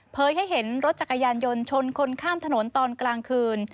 ให้เห็นรถจักรยานยนต์ชนคนข้ามถนนตอนกลางคืน